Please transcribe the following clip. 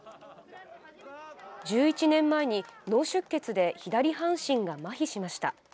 １１年前に脳出血で左半身がまひしました。